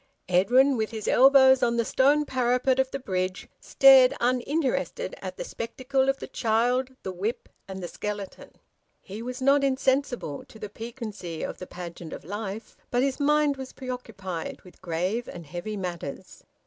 Edwin, with his elbows on the stone parapet of the bridge, stared uninterested at the spectacle of the child, the whip, and the skeleton. He was not insensible to the piquancy of the pageant of life, but his mind was preoccupied with grave and heavy matters.